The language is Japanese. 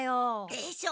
でしょ！